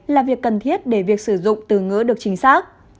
là việc cần thiết để việc sử dụng từ ngỡ được chính xác